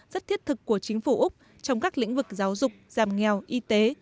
rất thiết thực của chính phủ úc trong các lĩnh vực giáo dục giảm nghèo y tế